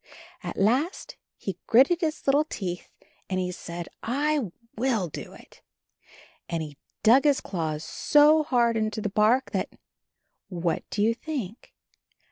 At last he gritted his little teeth, and he said, "I will do it!" and he dug his claws so hard into the bark, that — what do you think?